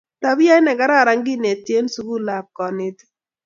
tabiait nekararan keneti en suku ak konetik